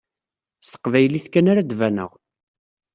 S teqbaylit kan ara ad baneɣ.